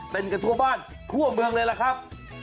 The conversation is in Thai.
กันทั่วบ้านทั่วเมืองเลยล่ะครับ